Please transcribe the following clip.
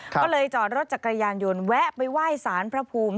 ก็เลยจอดรถจักรยานยนต์แวะไปไหว้สารพระภูมิ